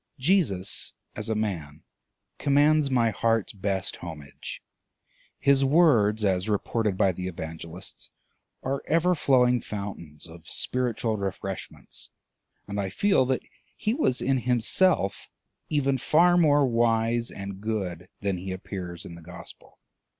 Jesus, as a man, commands my heart's best homage. His words, as reported by the Evangelists, are ever flowing fountains of spiritual refreshments; and I feel that he was in himself even far more wise and good than he appears in the gospel.